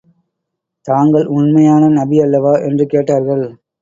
தாங்கள் உண்மையான நபி அல்லவா? என்று கேட்டார்கள்.